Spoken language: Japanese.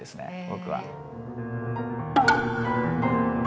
僕は。